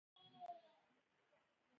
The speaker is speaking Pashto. افغانستان د تودوخه لپاره مشهور دی.